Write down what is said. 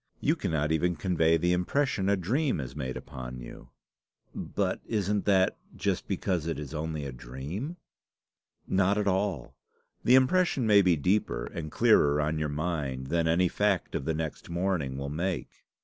You cannot even convey the impression a dream has made upon you." "But isn't that just because it is only a dream?" "Not at all. The impression may be deeper and clearer on your mind than any fact of the next morning will make.